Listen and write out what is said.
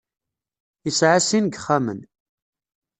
Yesɛa sin n yixxamen.